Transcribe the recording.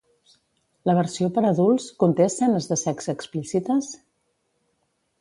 La versió per adults conté escenes de sexe explícites?